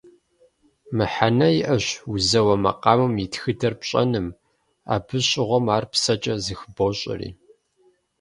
Мыхьэнэ иӀэщ узэуэ макъамэм и тхыдэр пщӀэным, абы щыгъуэм ар псэкӀэ зыхыбощӀэри.